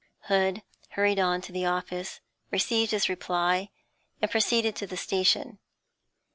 Hood hurried on to the office, received his reply, and proceeded to the station.